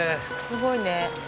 すごいね。